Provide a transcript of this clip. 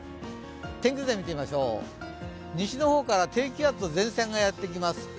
天気図で見てみましょう、西の方から前線がやってきます。